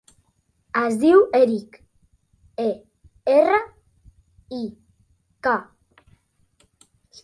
Es diu Erik: e, erra, i, ca.